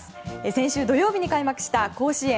先週土曜日に開幕した甲子園。